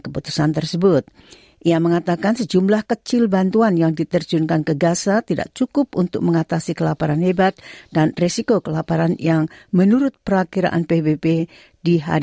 bersama sbs bahasa indonesia